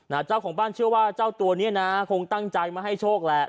เจ้าของบ้านเชื่อว่าเจ้าตัวเนี้ยนะคงตั้งใจมาให้โชคแหละ